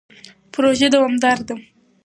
پروژه دوامداره ده.